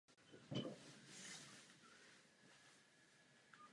Svisle umístěné prvky v okolí poté mají symbolizovat útlak a agresi nepřítele.